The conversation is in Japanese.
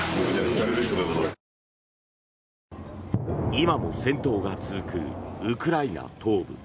今も戦闘が続くウクライナ東部。